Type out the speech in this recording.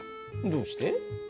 どうして？